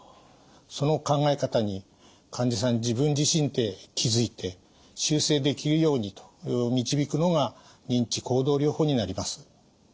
その考え方に患者さん自分自身で気付いて修正できるようにと導くのが認知行動療法になります。